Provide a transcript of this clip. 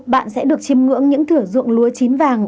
bạn sẽ được chiêm ngưỡng những thửa ruộng lúa chín vàng